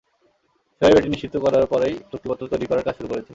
শোয়েব এটি নিশ্চিত করার পরেই চুক্তিপত্র তৈরি করার কাজ শুরু হয়েছে।